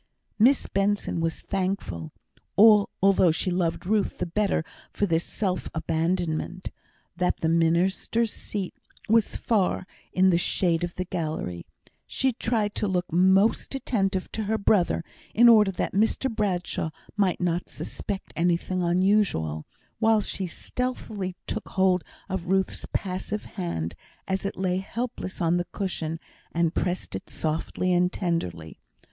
Miss Benson was thankful (although she loved Ruth the better for this self abandonment) that the minister's seat was far in the shade of the gallery. She tried to look most attentive to her brother, in order that Mr Bradshaw might not suspect anything unusual, while she stealthily took hold of Ruth's passive hand, as it lay helpless on the cushion, and pressed it softly and tenderly.